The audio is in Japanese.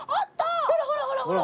ほらほらほらほら！